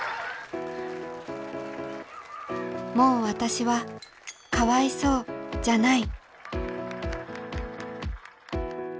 もう私はかわいそうじゃない。